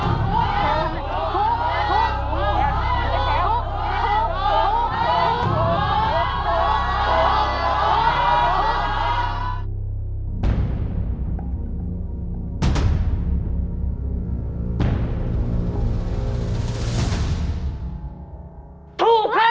ถูกถูกถูกถูก